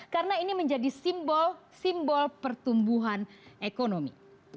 karena ini menjadi simbol pertumbuhan ekonomi